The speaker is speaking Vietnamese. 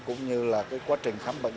cũng như là cái quá trình khám bệnh